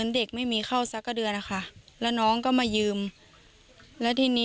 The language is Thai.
ก็คือชื่อหนูบัญชีหนูก็จริง